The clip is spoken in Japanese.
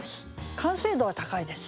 完成度は高いです。